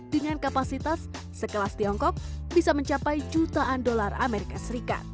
dengan kapasitas sekelas tiongkok bisa mencapai jutaan dolar as